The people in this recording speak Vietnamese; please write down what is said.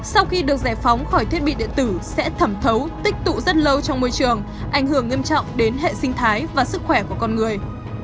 sau khi được giải phóng khỏi thiết bị điện tử sẽ thẩm thấu tích tụ rất lâu trong môi trường ảnh hưởng nghiêm trọng đến hệ sinh thái và sức khỏe của con người